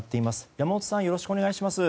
山本さんよろしくお願いします。